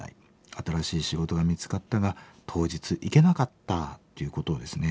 新しい仕事が見つかったが当日行けなかった」ということをですね